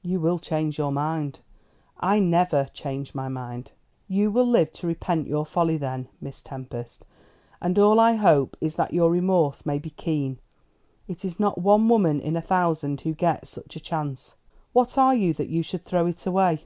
"You will change your mind." "I never change my mind." "You will live to repent your folly then, Miss Tempest: and all I hope is that your remorse may be keen. It is not one woman in a thousand who gets such a chance. What are you that you should throw it away?"